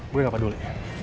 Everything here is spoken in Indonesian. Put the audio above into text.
gue gak peduli